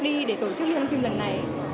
đi để tổ chức liên hoan phim lần này